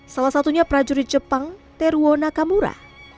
salah satunya prajurit jepang teruo nakamura